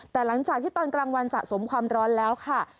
แต่หลังจากที่ตอนกลางวันสะสมความร้อนแล้วค่ะ